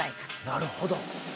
なるほど。